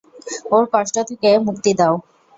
ওর কষ্ট থেকে মুক্তি দাউ!